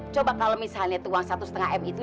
coba kalau misalnya itu uang satu setengah em itu